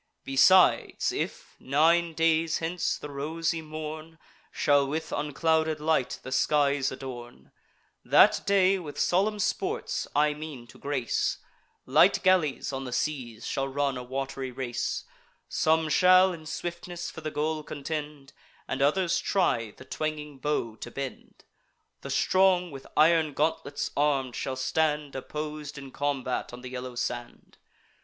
Besides, if, nine days hence, the rosy morn Shall with unclouded light the skies adorn, That day with solemn sports I mean to grace: Light galleys on the seas shall run a wat'ry race; Some shall in swiftness for the goal contend, And others try the twanging bow to bend; The strong, with iron gauntlets arm'd, shall stand Oppos'd in combat on the yellow sand.